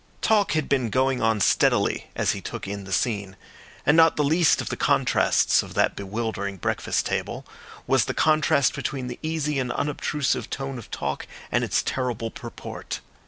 Talk had been going on steadily as he took in the scene; and not the least of the contrasts of that bewildering breakfast table was the contrast between the easy and unobtrusive tone of talk and its terrible purport.